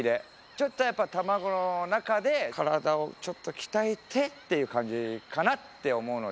ちょっとやっぱ卵の中で体をちょっと鍛えてっていう感じかなって思うので。